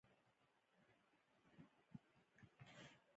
دا پُل د باور له خښتو جوړ شوی دی.